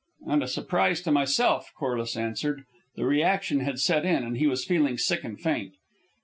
"And a surprise to myself," Corliss answered. The reaction had set in, and he was feeling sick and faint.